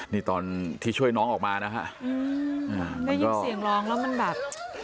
นี่ตอนที่ช่วยน้องออกมานะฮะได้ยินเสียงร้องแล้วมันแบบ